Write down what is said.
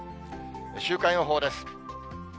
週間予報です。